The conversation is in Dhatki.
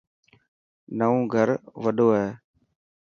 نئوو گھر وڌو هي.